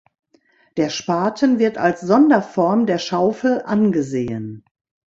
Der Spaten wird als Sonderform der Schaufel angesehen.